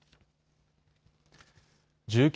１９